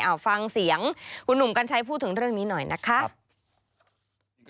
เอาฟังเสียงคุณหนุ่มกัญชัยพูดถึงเรื่องนี้หน่อยนะคะ